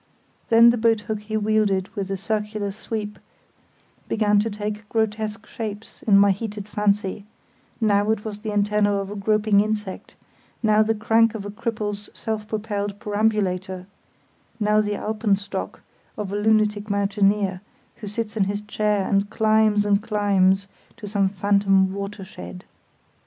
Then the boathook he wielded with a circular sweep began to take grotesque shapes in my heated fancy; now it was the antenna of a groping insect, now the crank of a cripple's self propelled perambulator, now the alpenstock of a lunatic mountaineer, who sits in his chair and climbs and climbs to some phantom "watershed".